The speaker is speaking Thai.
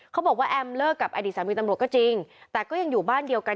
เขาบอกว่าแอมเลิกกับอดีตสามีตำรวจก็จริงแต่ก็ยังอยู่บ้านเดียวกัน